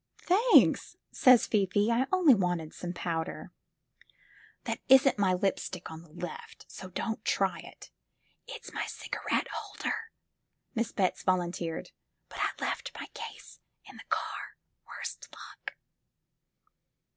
"Thanks," said Fifi, "I only wanted some powder." "That isn't my lipstick on the left, so don't try it; it's my cigarette holder," Miss Betts volunteered, "but I left my case in the car, worse luck!"